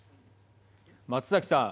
松崎さん。